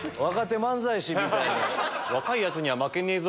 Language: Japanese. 「若いヤツには負けねぇぞ！